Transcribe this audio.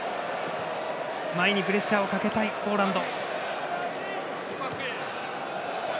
前にプレッシャーをかけたいポーランド。